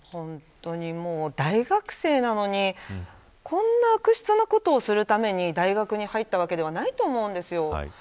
もう大学生なのにこんな悪質なことをするために大学に入ったわけではないと思うんですよ。